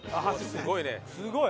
すごいね！